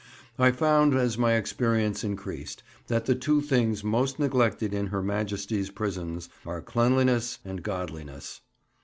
I found, as my experience increased, that the two things most neglected in Her Majesty's prisons are cleanliness and godliness.